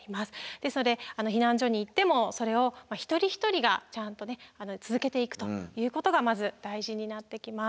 ですので避難所に行ってもそれを一人一人がちゃんとね続けていくということがまず大事になってきます。